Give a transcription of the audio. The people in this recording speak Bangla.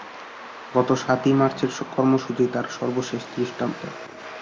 গত সাতই মার্চের কর্মসূচি তার সর্বশেষ দৃষ্টান্ত।